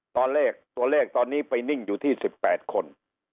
ตัวเลขตัวเลขตอนนี้ไปนิ่งอยู่ที่๑๘คน